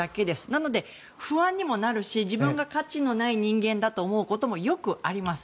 なので、不安にもなるし自分が価値のない人間だと思うこともよくあります。